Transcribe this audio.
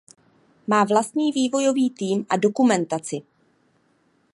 Má vlastní vývojový tým a dokumentaci.